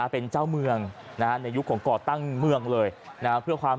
เป็นเจ้าเมืองในยุคของเกาะตั้งเมืองเลยนะครับ